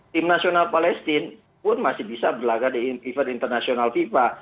tim nasional palestina pun masih bisa berlagak di event internasional fifa